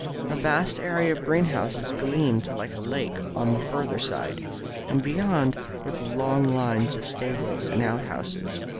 A vast area of greenhouses gleamed like a lake on the further side, and beyond were the long lines of stables and outhouses.